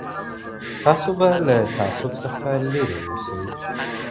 تاسو به له تعصب څخه لري اوسئ.